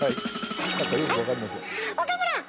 岡村！